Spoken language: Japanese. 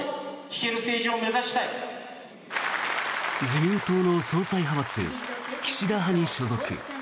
自民党の総裁派閥・岸田派に所属。